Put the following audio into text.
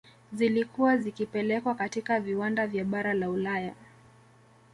Zilikuwa zikipelekwa katika viwanda vya bara la Ulaya